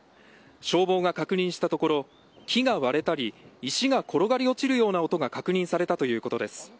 消防が確認したところ木が割れたり石が転がり落ちるような音が確認されたということです。